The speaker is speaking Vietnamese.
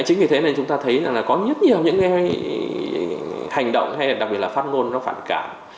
chính vì thế chúng ta thấy có rất nhiều những hành động đặc biệt là phát ngôn phản cảm